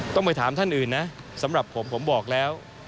ต้องไปถามท่านอื่นนะสำหรับผมผมบอกแล้ว